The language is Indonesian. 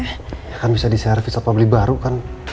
ya kan bisa di share visit public baru kan